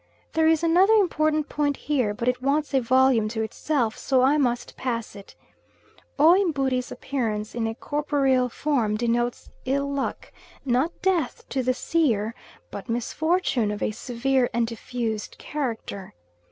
There is another important point here, but it wants a volume to itself, so I must pass it. O Mbuiri's appearance in a corporeal form denotes ill luck, not death to the seer, but misfortune of a severe and diffused character.